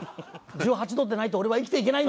１８度でないと俺は生きていけないんだよ！